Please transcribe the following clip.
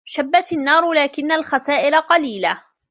شَبَّتْ النَّارُ لَكِنَّ الْخَسَائِرَ قَلِيلَةٌ.